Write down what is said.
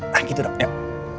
nah gitu dong yuk